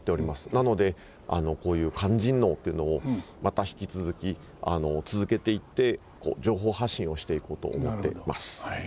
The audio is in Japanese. なのでこういう勧進能っていうのをまた引き続き続けていって情報発信をしていこうと思っています。